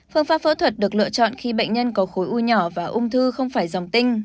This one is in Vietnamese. phương pháp phẫu thuật được lựa chọn khi bệnh nhân có khối u nhỏ và ung thư không phải dòng tinh